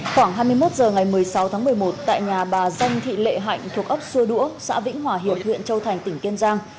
khoảng hai mươi một h ngày một mươi sáu tháng một mươi một tại nhà bà danh thị lệ hạnh thuộc ấp xua đũa xã vĩnh hòa hiệp huyện châu thành tỉnh kiên giang